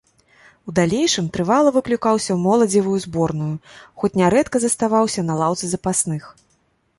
У далейшым трывала выклікаўся ў моладзевую зборную, хоць нярэдка заставаўся на лаўцы запасных.